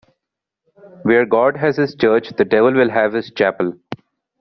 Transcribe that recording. Where God has his church, the devil will have his chapel.